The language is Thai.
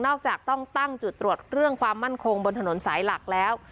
จากต้องตั้งจุดตรวจเรื่องความมั่นคงบนถนนสายหลักแล้ว